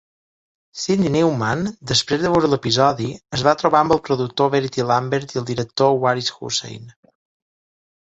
Sydney Newman, després de veure l'episodi, es va trobar amb el productor Verity Lambert i el director Waris Hussein.